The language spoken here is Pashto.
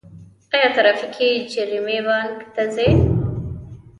آیا ټرافیکي جریمې بانک ته ځي؟